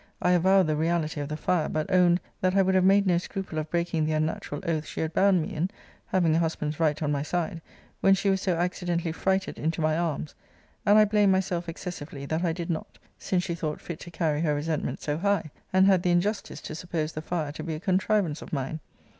I avowed the reality of the fire; but owned, that I would have made no scruple of breaking the unnatural oath she had bound me in, (having a husband's right on my side,) when she was so accidentally frighted into my arms; and I blamed myself excessively, that I did not; since she thought fit to carry her resentment so high, and had the injustice to suppose the fire to be a contrivance of mine.'